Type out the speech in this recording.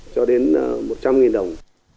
cho đến một trăm linh đồng